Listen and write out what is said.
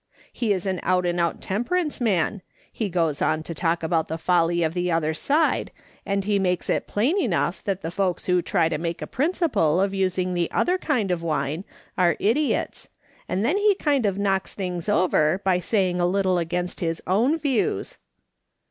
He is an out and out temperance man. He goes on to talk about the folly of the other side, and he makes it plain enough that the folks who try to make a principle of using the other kind of wine are idiots, and then he kind of knocks things over by saying a little against his own views."